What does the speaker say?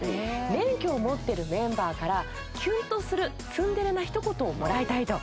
免許を持ってるメンバーからキュンとするツンデレなひと言をもらいたいと。